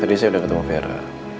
tadi saya udah ketemu vera